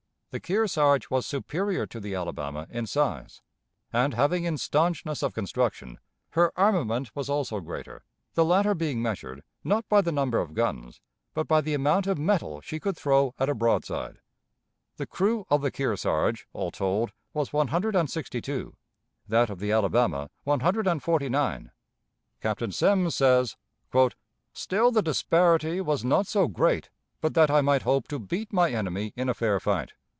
The Kearsarge was superior to the Alabama in size, and, having in stanchness of construction, her armament was also greater, the latter being measured, not by the number of guns, but by the amount of metal she could throw at a broadside. The crew of the Kearsarge, all told, was one hundred and sixty two; that of the Alabama, one hundred and forty nine. Captain Semmes says: "Still the disparity was not so great but that I might hope to beat my enemy in a fair fight.